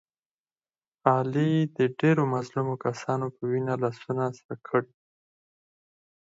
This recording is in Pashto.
علي د ډېرو مظلومو کسانو په وینو لاسونه سره کړي.